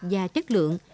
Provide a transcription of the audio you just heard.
và chất lượng